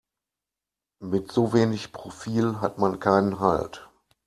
Mit so wenig Profil hat man keinen Halt.